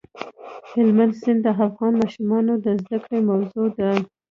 هلمند سیند د افغان ماشومانو د زده کړې موضوع ده.